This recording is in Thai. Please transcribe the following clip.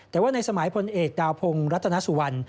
แต่ว่าในสมัยพลเอกดาวพงศ์รัตนสุวรรณ